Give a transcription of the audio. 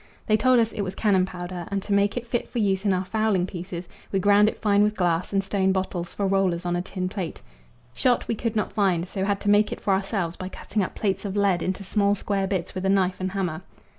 They told us it was cannon powder, and to make it fit for use in our fowling pieces we ground it fine with glass and stone bottles for rollers on a tin plate. Shot we could not find, so had to make it for ourselves by cutting up plates of lead into small square bits with a knife and hammer.